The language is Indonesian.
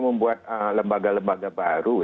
membuat lembaga lembaga baru